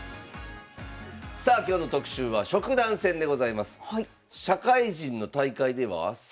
さあ今日の特集は職団戦でございます。